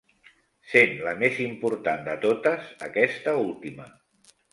Sent la més important de totes, aquesta última.